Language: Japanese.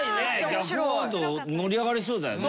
逆ワード盛り上がりそうだよね。